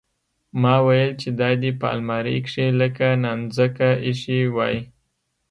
ما ويل چې دا دې په المارۍ کښې لکه نانځکه ايښې واى.